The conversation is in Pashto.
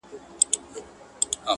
تل دي ښاد وي پر دنیا چي دي دوستان وي-